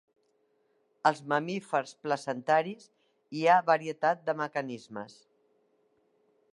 Als mamífers placentaris hi ha varietat de mecanismes.